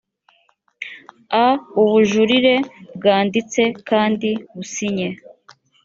a ubujurire bwanditse kandi businye